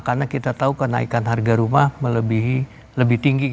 karena kita tahu kenaikan harga rumah lebih tinggi